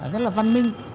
rất là văn minh